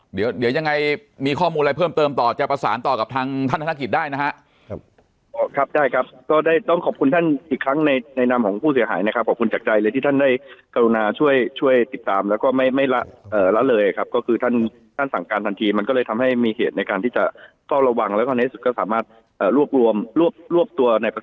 เดี๋ยวยังไงมีข้อมูลอะไรเพิ่มเติมต่อจะประสานต่อกับทางท่านธนกิจได้นะฮะครับได้ครับก็ได้ต้องขอบคุณท่านอีกครั้งในในนามของผู้เสียหายนะครับขอบคุณจากใจเลยที่ท่านได้กรุณาช่วยช่วยติดตามแล้วก็ไม่ไม่ละเลยครับก็คือท่านท่านสั่งการทันทีมันก็เลยทำให้มีเหตุในการที่จะเฝ้าระวังแล้วก็ในสุดก็สามารถรวบรวมรวบรวบตัวในประ